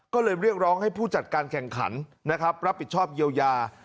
ก็เลยเรียกร้องให้ผู้จัดการแข่งขันนะครับรับผิดชอบเยียวยา